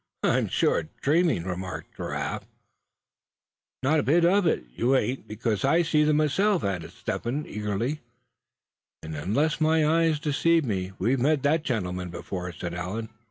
I'm sure dreaming!" remarked Giraffe, just then. "Not a bit of it you ain't, because I see them myself," added Step Hen, eagerly. "And unless my eyes deceive me, we've met that gentleman before," said Allan.